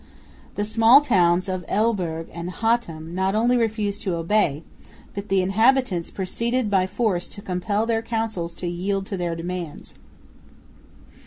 The small towns of Elburg and Hattem not only refused to obey, but the inhabitants proceeded by force to compel their Councils to yield to their demands.